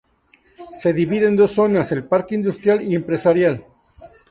Se divide en dos zonas, el Parque Industrial y Empresarial.